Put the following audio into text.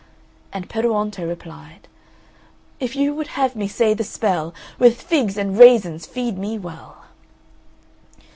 And Peruonto replied "If you would have me say the spell, With figs and raisins feed me well!"